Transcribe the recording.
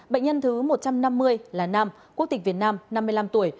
bệnh nhân thứ một trăm năm mươi là nam quốc tịch việt nam năm mươi năm tuổi